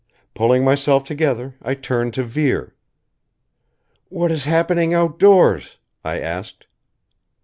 Pulling myself together I turned to Vere. "What is happening outdoors?" I asked.